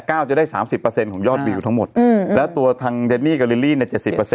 ก้าวจะได้๓๐ของยอดวิวทั้งหมดแล้วตัวทางเจนนี่กับลิลลี่๗๐